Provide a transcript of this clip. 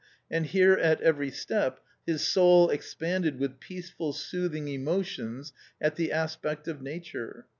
And here at every step his soul expanded with peaceful soothing emotions at the aspect of Nature.